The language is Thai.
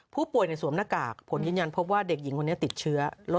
ผู้ป่วยในสวมหน้ากากผลยืนยันพบว่าเด็กหญิงคนนี้ติดเชื้อ